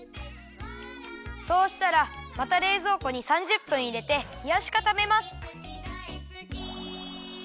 そうしたらまたれいぞうこに３０分いれてひやしかためます。